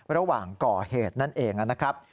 ระหว่างก่อเหตุนั่นเองนะครับ